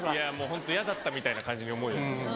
ホント嫌だったみたいな感じに思うじゃないですか。